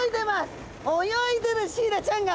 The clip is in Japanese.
泳いでるシイラちゃんが。